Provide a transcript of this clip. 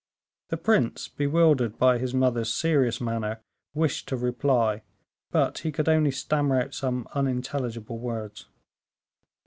The prince, bewildered by his mother's serious manner, wished to reply, but he could only stammer out some unintelligible words.